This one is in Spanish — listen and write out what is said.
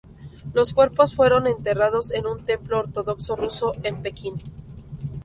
Los cuerpos fueron enterrados en un templo ortodoxo ruso en Pekín.